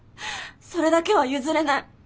それだけは譲れない。